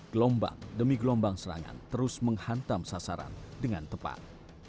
gelombang demi gelombang serangan terus menghantam sasaran dengan tepat